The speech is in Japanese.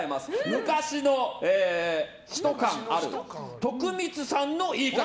昔の人感ある徳光さんの言い方。